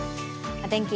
お天気